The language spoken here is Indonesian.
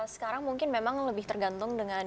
sekarang mungkin memang lebih tergantung dengan